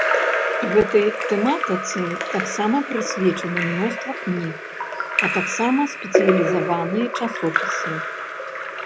Гэтай тэматыцы таксама прысвечаны мноства кніг, а таксама спецыялізаваныя часопісы.